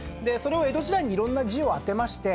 江戸時代にいろんな字を当てまして。